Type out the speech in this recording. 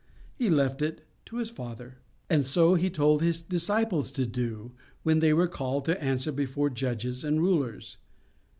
He left it to His Father. And so He told His disciples to do when they were called to answer before judges and rulers.